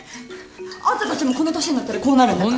あんたたちもこの年になったらこうなるんだから。